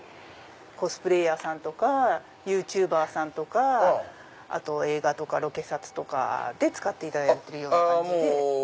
コスプレーヤーさんとかユーチューバーさんとかあと映画とかロケ撮とかで使っていただいてるような感じ。